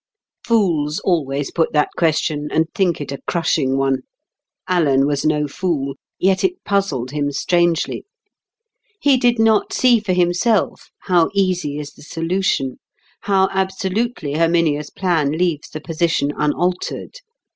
Fools always put that question, and think it a crushing one. Alan was no fool, yet it puzzled him strangely. He did not see for himself how easy is the solution; how absolutely Herminia's plan leaves the position unaltered.